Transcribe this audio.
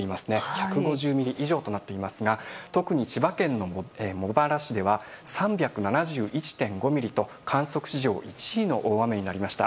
１５０ミリ以上となっていますが特に千葉県の茂原市では３７１．５ミリと観測史上１位の大雨になりました。